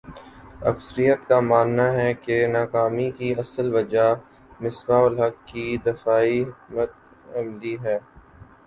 اکثریت کا ماننا ہے کہ ناکامی کی اصل وجہ مصباح الحق کی دفاعی حکمت عملی ہے